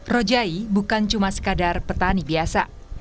rojai bukan cuma sekadar petani biasa